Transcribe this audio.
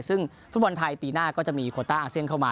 ซึ่งฟุตบอลไทยปีหน้าก็จะมีโคต้าอาเซียนเข้ามา